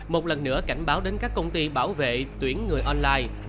một lần nữa cảnh báo đến các công ty bảo vệ tuyển người online